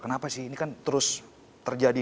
kenapa sih ini kan terus terjadi